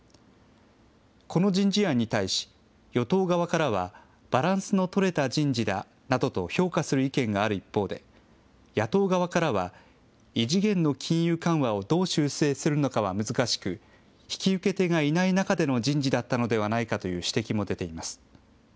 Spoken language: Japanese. この人事案に対し、与党側からは、バランスの取れた人事だなどと評価する意見がある一方で、野党側からは、異次元の金融緩和をどう修正するのかは難しく、引き受け手がいない中での人事だったのではないかという指摘も出ています。